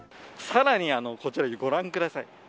さらに、こちらご覧ください。